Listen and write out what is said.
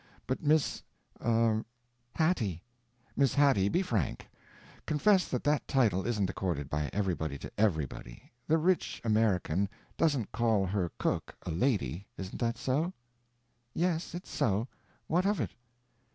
But Miss—er—" "Hattie." "Miss Hattie, be frank; confess that that title isn't accorded by everybody to everybody. The rich American doesn't call her cook a lady—isn't that so?" "Yes, it's so. What of it?"